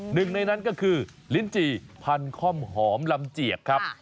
หนึ่งในนั้นก็คือลิ้นจี่พันค่อมหอมลำเจียกครับ